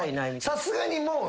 さすがにもう。